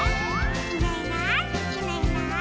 「いないいないいないいない」